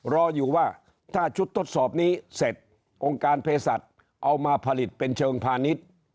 รออยู่ว่าถ้าชุดทดสอบนี้เสร็จองค์การเพศสัตว์เอามาผลิตเป็นเชิงพาณิชย์